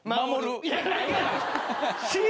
守る。